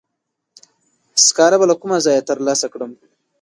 سکاره به له کومه ځایه تر لاسه کړم؟